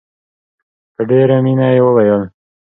په ډېره مینه یې وویل.